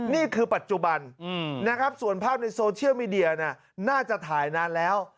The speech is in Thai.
นี่คือปัจจุบันนะครับส่วนภาพในโซเชียลมีเดียน่าจะถ่ายนานแล้ว